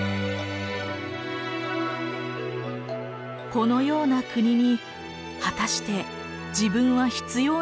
このような国に果たして自分は必要なのだろうか。